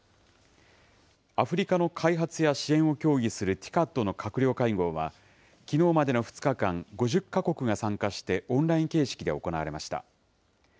アフリカの開発や支援を協議するＴＩＣＡＤの閣僚会合は、きのうまでの２日間、５０か国が参加してオンライン形式で行われました。